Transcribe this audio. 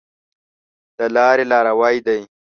د لاري لاروی دی .